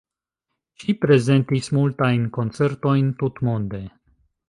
Ŝi prezentis multajn koncertojn tutmonde.